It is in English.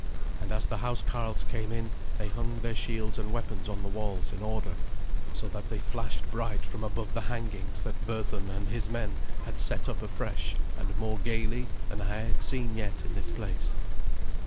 And as the housecarls came in they hung their shields and weapons on the walls in order, so that they flashed bright from above the hangings that Berthun and his men had set up afresh and more gaily than I had seen yet in this place.